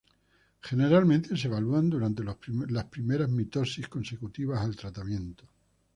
Generalmente se evalúan durante la primera mitosis consecutiva al tratamiento.